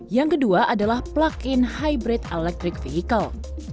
yang kedua adalah plug in hybrid electric vehicle